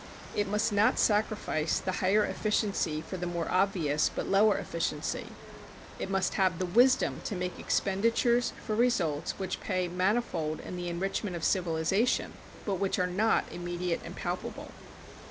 It must not sacrifice the higher efficiency for the more obvious but lower efficiency. It must have the wisdom to make expenditures for results which pay manifold in the enrichment of civilization, but which are not immediate and palpable.